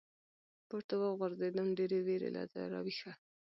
پـورتـه وغورځـېدم ، ډېـرې وېـرې له ځايـه راويـښه.